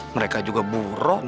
mereka juga burong